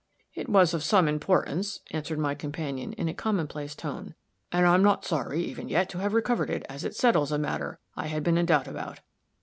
"It was of some importance," answered my companion, in a commonplace tone, "and I'm not sorry, even yet, to have recovered it, as it settles a matter I had been in doubt about.